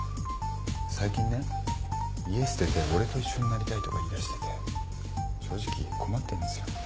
最近ね家捨てて俺と一緒になりたいとか言いだしてて正直困ってるんですよ。